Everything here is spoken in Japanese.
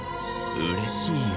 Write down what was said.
うれしいよ。